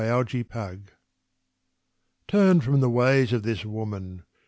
Campaspe Turn from the ways of this Woman!